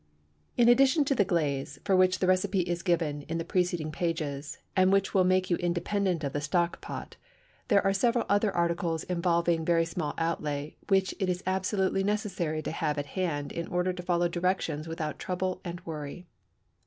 In addition to the glaze, for which the recipe is given in the preceding pages, and which will make you independent of the stock pot, there are several other articles involving very small outlay which it is absolutely necessary to have at hand in order to follow directions without trouble and worry.